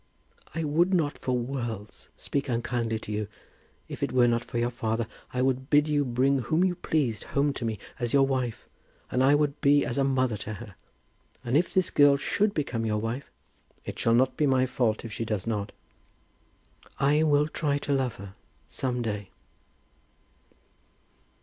"I would not for worlds speak unkindly to you. If it were not for your father I would bid you bring whom you pleased home to me as your wife; and I would be as a mother to her. And if this girl should become your wife " "It shall not be my fault if she does not." "I will try to love her some day."